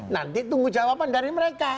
nanti tunggu jawaban dari mereka